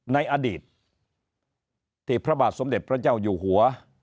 ในอดีตที่พระบาทสมเด็จพระเจ้าอยู่หัว